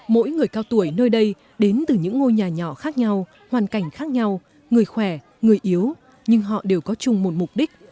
mỗi người cao tuổi nơi đây đến từ những ngôi nhà nhỏ khác nhau hoàn cảnh khác nhau người khỏe người yếu nhưng họ đều có chung một mục đích